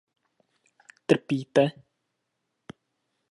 Trpíte?